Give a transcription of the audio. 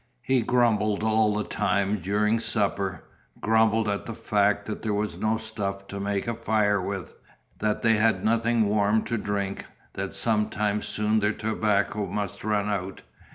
He grumbled all the time during supper, grumbled at the fact that there was no stuff to make a fire with, that they had nothing warm to drink, that some time soon their tobacco must run out.